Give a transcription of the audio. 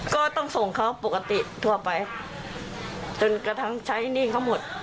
ก็ต้องส่งเขาปกติทั่วไปจนกระทั่งใช้หนี้เขาหมด